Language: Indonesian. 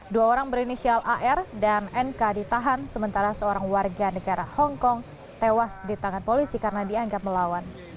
dua orang berinisial ar dan nk ditahan sementara seorang warga negara hongkong tewas di tangan polisi karena dianggap melawan